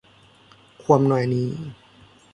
ความนอยนี้